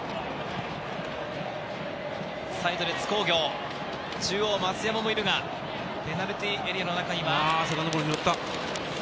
サイドで津工業、中央、増山もいるがペナルティーエリアの中には。すごい、拾った。